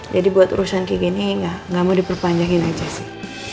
jadi buat urusan kayak gini gak mau diperpanjangin aja sih